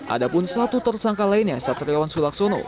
ada pun satu tersangka lainnya saat terlewat sulaksono